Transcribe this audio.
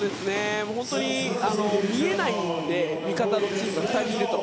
本当に見えないので味方の選手が２人いると。